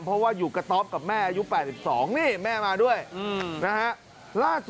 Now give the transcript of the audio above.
เพราะว่าอยู่กระต๊อบกับแม่อายุ๘๒นี่แม่มาด้วยนะฮะล่าสุด